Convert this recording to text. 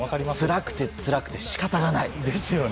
つらくて、つらくて仕方がない。